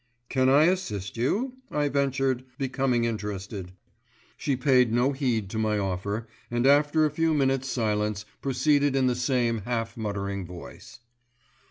"Can I assist you?" I ventured, becoming interested. She paid no heed to my offer, and after a few minutes' silence proceeded in the same half muttering voice.